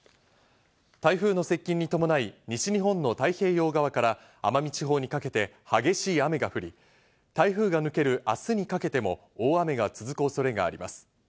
台風の接近に伴い、西日本の太平洋側から奄美地方にかけて激しい雨が降り、台風が抜ける明日にかけても大雨が続く恐れがあります。